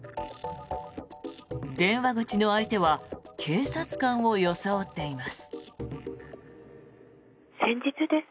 電話口の相手は警察官を装っています。